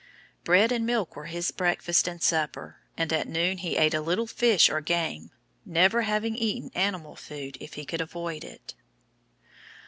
"Bread and milk were his breakfast and supper, and at noon he ate a little fish or game, never having eaten animal food if he could avoid it."